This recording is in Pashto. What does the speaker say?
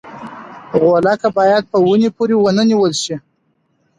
غولکه باید په ونې پورې ونه نیول شي.